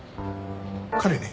彼ね